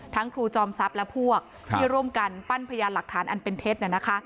ครูจอมทรัพย์และพวกที่ร่วมกันปั้นพยานหลักฐานอันเป็นเท็จนะคะ